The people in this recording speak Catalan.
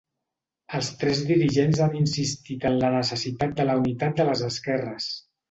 Els tres dirigents han insistit en la necessitat de la unitat de les esquerres.